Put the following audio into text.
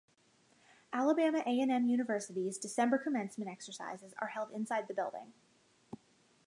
Alabama A and M University's December Commencement Exercises are held inside the building.